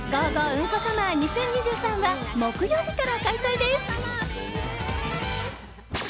うんこサマー２０２３は木曜日から開催です。